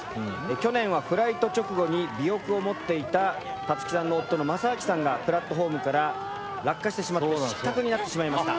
去年はフライト直後に尾翼を持っていた樹さんの夫の雅明さんがプラットホームから落下してしまって失格になってしまいました。